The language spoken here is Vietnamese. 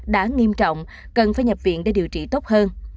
đã nghiêm trọng cần phải nhập viện để điều trị tốt hơn